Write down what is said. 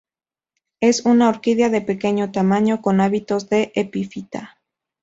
Es una orquídea de pequeño tamaño con hábitos de epifita.